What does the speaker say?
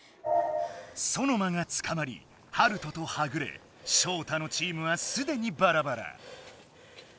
ソノマがつかまりハルトとはぐれショウタのチームはすでにバラバラ。